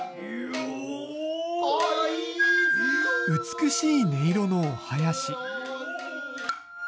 美しい音色のお囃子。